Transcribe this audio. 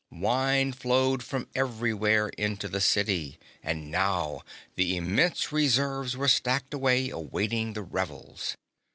Wine flowed from everywhere into the city, and now the immense reserves were stacked away, awaiting the revels.